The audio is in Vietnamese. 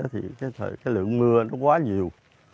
thì cái lượng mưa nó quá nhiều